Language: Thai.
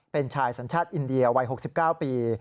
เป็นชายสัญชาติอินเดียวัย๖๙ปี